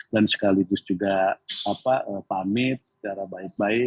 dan sekaligus juga apa pamit secara baik baik